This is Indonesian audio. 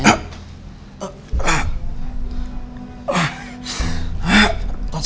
aku mau ke rumah